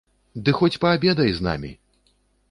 Ды хоць паабедай з намі!